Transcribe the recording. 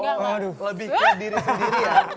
waduh lebih ke diri sendiri ya